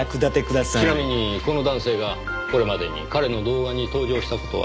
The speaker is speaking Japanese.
ちなみにこの男性がこれまでに彼の動画に登場した事は？